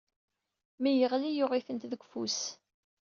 Mi yeɣli, yuɣ-itent deg ufus.